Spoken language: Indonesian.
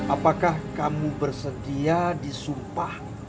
apakah kamu bersedia disumpah